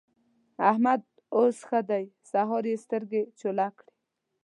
احمد اوس ښه دی؛ سهار يې سترګې چوله کړې.